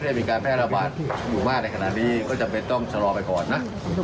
จะมีการแพร่ระบาดอยู่มากในขณะนี้ก็จำเป็นต้องชะลอไปก่อนนะ